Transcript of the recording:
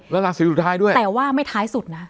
แล้วราศีสุดท้ายด้วยแต่ว่าไม่ท้ายสุดนะ